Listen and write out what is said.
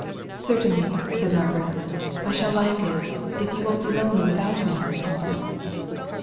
"Certainly," said Margaret. "I shall like it, if you won't be lonely without me, papa."